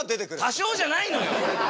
多少じゃないのよ！